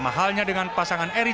jangan lupa untuk berlangganan kiri kiri